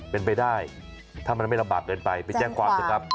เป็นไปได้ถ้ามันไม่ลำบากเกินไปไปแจ้งความเถอะครับ